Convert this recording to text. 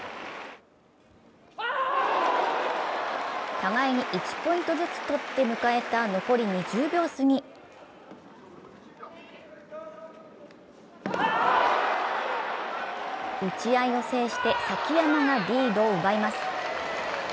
互いに１ポイントずつ取って迎えた残り２０秒すぎ打ち合いを制して崎山がリードを奪います。